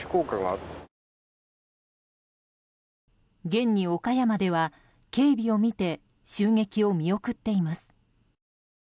現に岡山では警備を見て襲撃を見送っています。